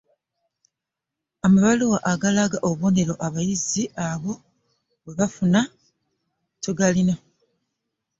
Amabaluwa agalaga obubonero abayizi abo bwebaafuna tugalina